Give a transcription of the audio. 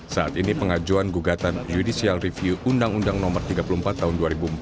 saat ini pengajuan gugatan judicial review undang undang no tiga puluh empat tahun dua ribu empat